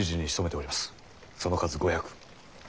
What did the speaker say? その数５００。